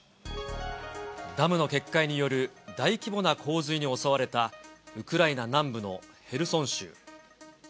ダムの決壊による大規模な洪水に襲われたウクライナ南部のヘルソン州。